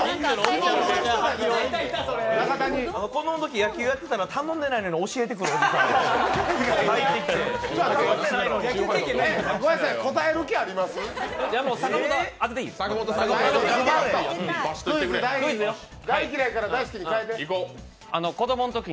子供のときに野球をやってたら頼んでないのに教えてくるおじさん、入ってきて。